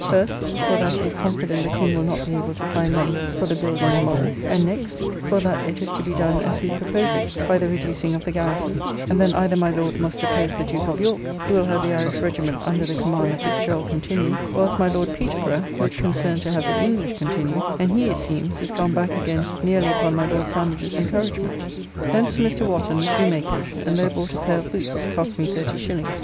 First, for that he is confident the King will not be able to find money for the building the Mole; and next, for that it is to be done as we propose it by the reducing of the garrison; and then either my Lord must oppose the Duke of York, who will have the Irish regiment under the command of Fitzgerald continued, or else my Lord Peterborough, who is concerned to have the English continued, and he, it seems, is gone back again merely upon my Lord Sandwich's encouragement. Thence to Mr. Wotton, the shoemaker's, and there bought a pair of boots, cost me 30s.